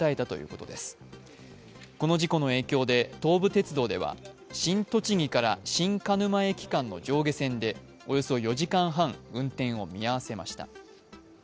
この事故の影響で東武鉄道では新栃木−新鹿沼駅間の上下線でおよそ４時間半運転を見合わせました。